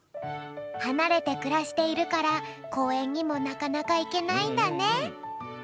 はなれてくらしているからこうえんにもなかなかいけないんだね。